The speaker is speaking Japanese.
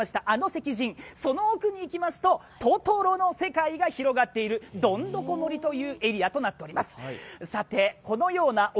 あの石神、その奥に行きますとトトロの世界が広がっているどんどこ森というエリアとなっています。